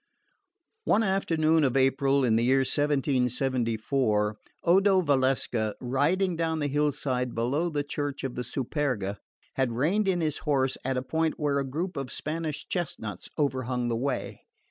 2.1. One afternoon of April in the year 1774, Odo Valsecca, riding down the hillside below the church of the Superga, had reined in his horse at a point where a group of Spanish chestnuts overhung the way.